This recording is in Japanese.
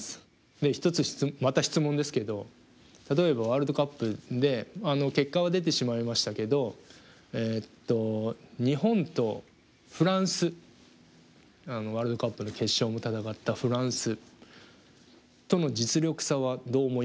で１つ質問また質問ですけど例えばワールドカップで結果は出てしまいましたけど日本とフランスワールドカップの決勝も戦ったフランスとの実力差はどう思いますか？